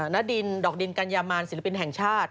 ณดินดอกดินกัญญามารศิลปินแห่งชาติ